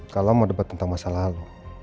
kalau mau debat tentang masa lalu